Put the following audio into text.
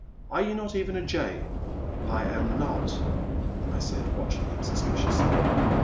Are you not even a jay ?' I am not, I said, watching him suspiciously.